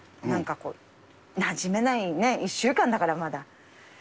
なんかこう、なじめない、ね、１週間だから、まだ。